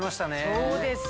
そうですよ。